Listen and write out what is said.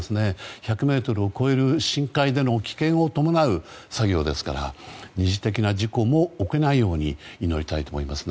１００ｍを超える深海での危険を伴う作業ですから２次的な事故も起きないように祈りたいと思います。